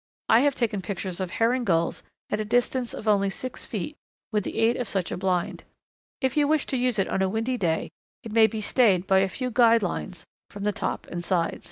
I have taken pictures of Herring Gulls at a distance of only six feet with the aid of such a blind. If you wish to use it on a windy day it may be stayed by a few guy lines from the top and sides.